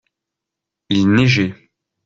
Il neigeait.